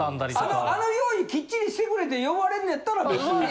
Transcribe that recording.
あのあの用意きっちりしてくれて呼ばれんねやったら別に。